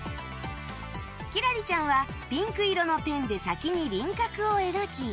輝星ちゃんはピンク色のペンで先に輪郭を描き